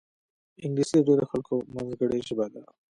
انګلیسي د ډېرو خلکو منځګړې ژبه ده